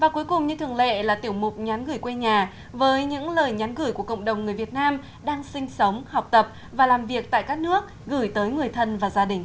cuối cùng như thường lệ là tiểu mục nhắn gửi quê nhà với những lời nhắn gửi của cộng đồng người việt nam đang sinh sống học tập và làm việc tại các nước gửi tới người thân và gia đình